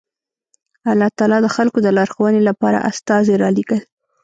الله تعالی د خلکو د لارښوونې لپاره استازي رالېږل